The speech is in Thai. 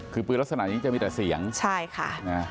คือปืนลักษณะด้วยอยู่จะมีแต่เสียงใช่ค่ะ